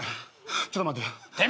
ちょっと待って。